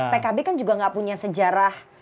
pkb kan juga gak punya sejarah